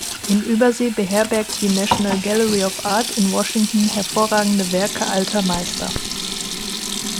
In Übersee beherbergt die National Gallery of Art in Washington hervorragende Werke alter Meister.